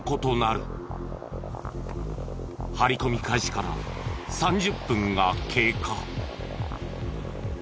張り込み開始から３０分が経過。